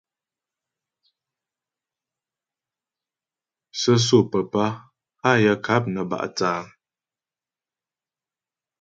Sə́sô papá hâ yaə ŋkáp nə bá' thə̂ á.